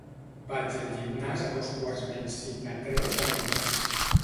Vaig al gimnàs a dos quarts menys cinc de tres els dimarts.